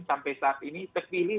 sampai saat ini terpilih